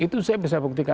itu saya bisa buktikan